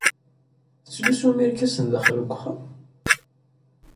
Tettlusum irkasen daxel n uxxam?